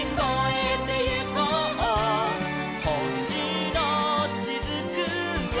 「ほしのしずくは」